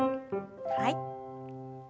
はい。